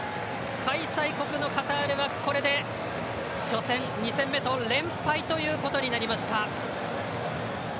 開催国のカタールはこれで初戦、２戦目と連敗ということになりました。